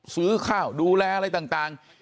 ซื้อข้าวดูแลอะไรต่าง